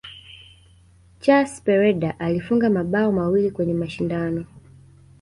Chus pereda alifunga mabao mawili kwenye mashindano